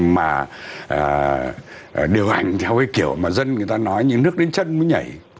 mà điều hành theo cái kiểu mà dân người ta nói như nước đến chân mới nhảy